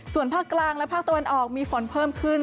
ส่วนภาคกลางและภาคตะวันออกมีฝนเพิ่มขึ้น